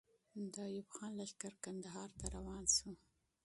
د ایوب خان لښکر کندهار ته روان سو.